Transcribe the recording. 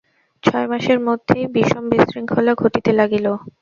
ছয় মাসের মধ্যেই বিষম বিশৃঙ্খলা ঘটিতে লাগিল।